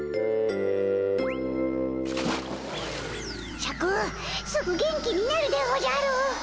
シャクすぐ元気になるでおじゃる。